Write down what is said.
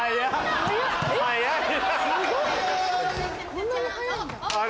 こんなに速いんだ。